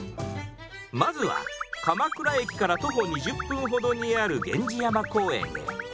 まずは鎌倉駅から徒歩２０分ほどにある源氏山公園へ。